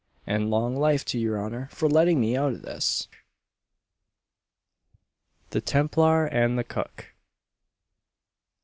and long life to your honour for letting me out of this!" THE TEMPLAR AND THE COOK.